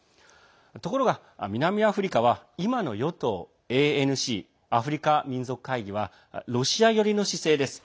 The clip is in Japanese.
ところが南アフリカは今の与党ＡＮＣ＝アフリカ民族会議はロシア寄りの姿勢です。